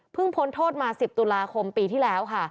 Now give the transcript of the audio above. พ้นโทษมา๑๐ตุลาคมปีที่แล้วค่ะ